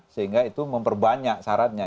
sehingga itu memperbanyak syaratnya